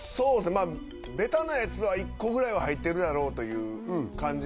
まあベタなやつは１個ぐらいは入ってるやろって感じ